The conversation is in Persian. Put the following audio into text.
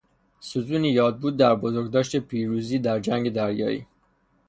ستون یادبود در بزرگداشت پیروزی در جنگ دریایی